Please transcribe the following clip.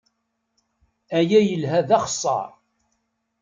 Aya yelha d axeṣṣar.